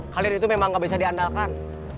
kalian itu memang nggak bisa diandalkan